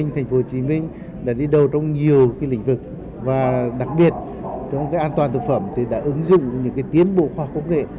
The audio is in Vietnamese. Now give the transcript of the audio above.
tp hcm đã đi đầu trong nhiều lĩnh vực và đặc biệt trong an toàn thực phẩm đã ứng dụng những tiến bộ khoa học công nghệ